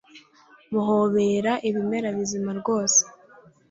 Muhobera ibimera bizima rwose